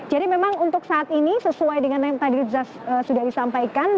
jadi memang untuk saat ini sesuai dengan yang tadi sudah disampaikan